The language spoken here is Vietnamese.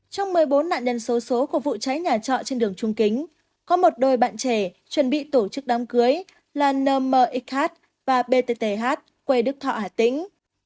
trong một mươi bốn nạn nhân số số của vụ cháy nhà trọ trên đường trung kính có một đôi bạn trẻ chuẩn bị tổ chức đám cưới là nmxh và ptth quê đức thọ hà tĩnh